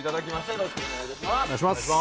よろしくお願いします。